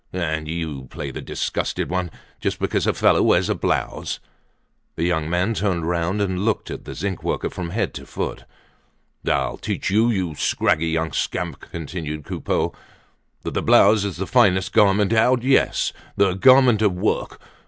And you play the disgusted one? Just because a fellow wears a blouse!" The young man turned round and looked at the zinc worker from head to foot. "I'll just teach you, you scraggy young scamp," continued Coupeau, "that the blouse is the finest garment out; yes! the garment of work.